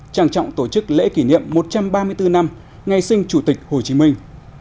trang trọng tổ chức lễ kỷ niệm một trăm ba mươi bốn năm ngày sinh chủ tịch hồ chí minh